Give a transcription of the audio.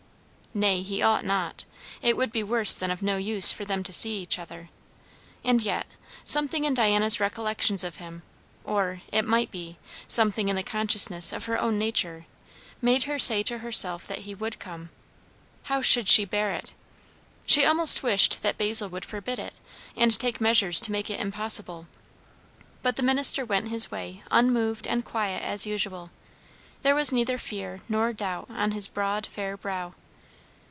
Nay, he ought not; it would be worse than of no use for them to see each other; and yet, something in Diana's recollections of him, or, it might be, something in the consciousness of her own nature, made her say to herself that he would come. How should she bear it? She almost wished that Basil would forbid it, and take measures to make it impossible; but the minister went his way unmoved and quiet as usual; there was neither fear nor doubt on his broad fair brow.